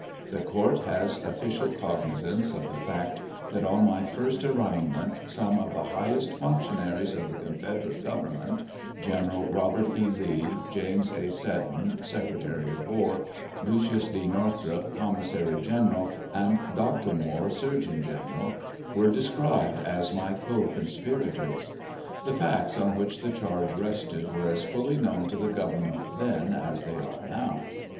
The court has official cognizance ot the fact that on my first arraignment some of the highest functionaries of the confederate government, General Eobert E. Lee, James A. Seddon, secretary of war, Lucius D. Northrop, commissary general, and Doctor Moore, surgeon general, were described as my co conspirators. The facts on which the charge rested were as fully known to the government then as they are now.